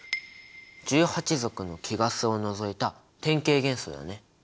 １８族の貴ガスを除いた典型元素だね。